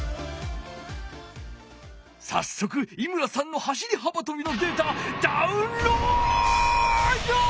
さっそく井村さんの走り幅とびのデータダウンロード！